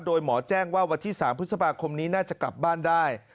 โดยหมอแจ้งว่าวันที่๓พฤษภาคมนี้น่าจะกลับบ้านได้